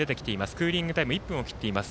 クーリングタイム１分を切っています。